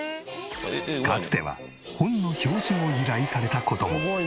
かつては本の表紙を依頼された事も。